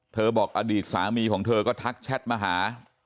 บอกอดีตสามีของเธอก็ทักแชทมาหา